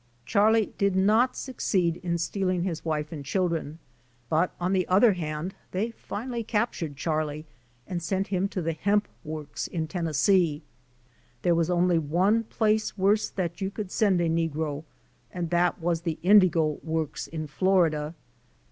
Charlie did not succeed in stealing his wife and children but on the other hand they finally captured Charlie and sent him to the hemp works in Tennessee. There was only one place worse that you could send a negro and that was the indigo works in Florida.